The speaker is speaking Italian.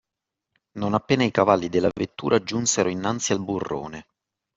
Non appena i cavalli della vettura giunsero innanzi al burrone